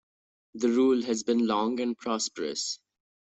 The rule has been long and prosperous.